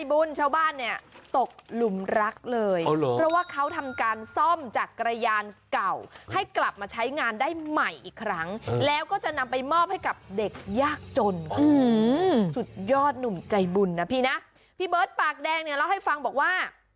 เบิร์ทปากแดงเนี่ยเล่าให้ฟังบอกว่า